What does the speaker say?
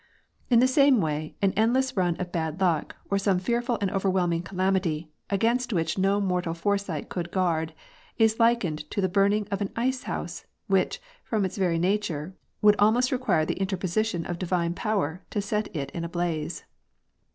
In the same way, an endless run of bad luck or some fearful and overwhelming calamity, against which no mortal foresight could guard, is likened to the burn ing of an ice house, which, from its very nature, would almost require the interposition of Divine power to set it in a blaze.